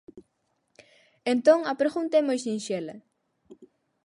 Entón a pregunta é moi sinxela.